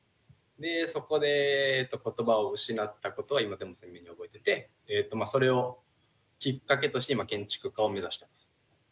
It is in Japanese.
でそこで言葉を失ったことは今でも鮮明に覚えててそれをきっかけとして今建築家を目指してます。